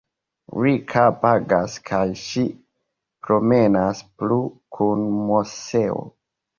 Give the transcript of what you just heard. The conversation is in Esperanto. Rika pagas kaj ŝi promenas plue kun Moseo.